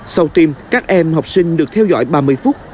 sau tim các em học sinh được theo dõi ba mươi phút